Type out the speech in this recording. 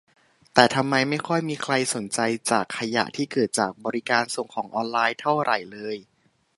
แต่ทำไมไม่ค่อยมีใครสนใจจากขยะที่เกิดจากบริการส่งของออนไลน์เท่าไหร่เลย